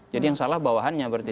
jadi yang salah bawahannya berarti